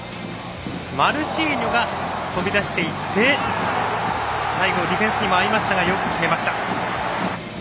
マルシーニョが飛び出していって最後、ディフェンスにもあいましたがよく決めました。